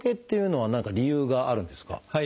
はい。